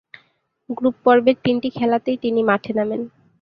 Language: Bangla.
গ্রুপ পর্বের তিনটি খেলাতেই তিনি মাঠে নামেন।